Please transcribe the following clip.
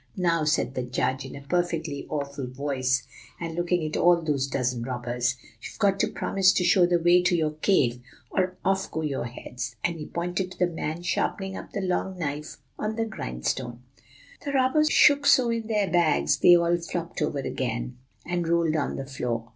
"'Now,' said the judge, in a perfectly awful voice, and looking at all those dozen robbers, 'you've got to promise to show the way to your cave, or off go your heads!' and he pointed to the man sharpening up the long knife on the grindstone. "The robbers shook so in their bags they all flopped over again, and rolled on the floor.